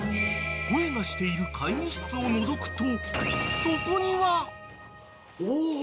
［声がしている会議室をのぞくと］